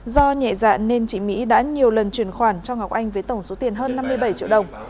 do nhẹ dạ nên chị mỹ đã nhiều lần truyền khoản cho ngọc anh với tổng số tiền hơn năm mươi bảy triệu đồng